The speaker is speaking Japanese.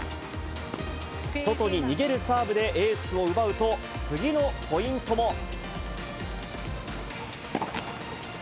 外に逃げるサーブでエースを奪うと、次のポイントも。